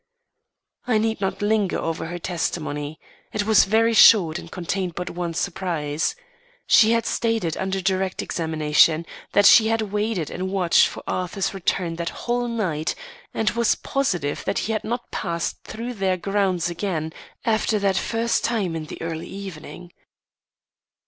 I need not linger over her testimony. It was very short and contained but one surprise. She had stated under direct examination that she had waited and watched for Arthur's return that whole night, and was positive that he had not passed through their grounds again after that first time in the early evening.